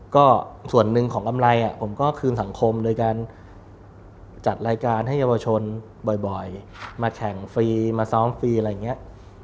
ก็ส่วนหนึ่งของกำไรผมก็คืนสังคมโดยการจัดรายการให้เยาวชนบ่อยมาแข่งฟรีมาซ้อมฟรีอะไรอย่างนี้